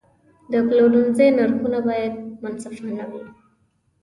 د پلورنځي نرخونه باید منصفانه وي.